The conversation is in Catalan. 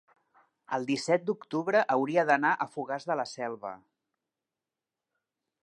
el disset d'octubre hauria d'anar a Fogars de la Selva.